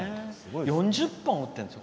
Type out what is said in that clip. ４０本、打ってるんですよ